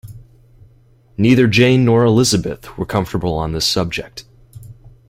Neither Jane nor Elizabeth were comfortable on this subject.